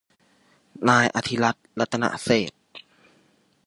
นายอธิรัฐ รัตนเศรษฐ